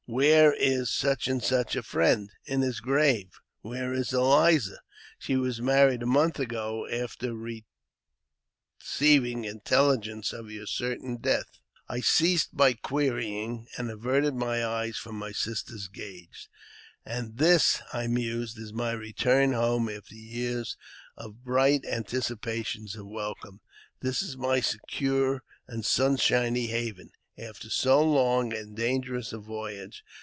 " Where is such and such a friend ?"In his grave." "Where is Eliza?" She was married a month ago, after receiving intelHgenci of your certain death." I ceased my querying, and averted my eyes from my sister' gaze. And this, I mused, is my return home after years of bright anticipations of welcome ! This is my secure and sunshiny haven, after so long and dangerous a voyage